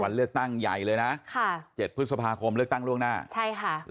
วันเลือกตั้งใหญ่เลยนะค่ะเจ็ดพฤษภาคมเลือกตั้งล่วงหน้าใช่ค่ะ